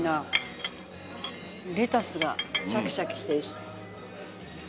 レタスがシャキシャキしてるし。